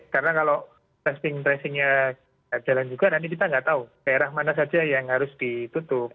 karena kalau testing tracingnya jalan juga nanti kita nggak tahu daerah mana saja yang harus ditutup